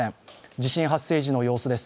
地震発生時の様子です。